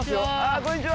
こんにちは。